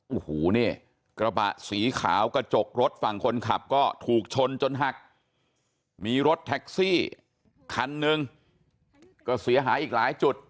โอ้โหนี่กระบะสีขาวกระจกรถฝั่งคนขับก็ถูกชนจนหักมีรถแท็กซี่คันหนึ่งก็เสียหายอีกหลายจุด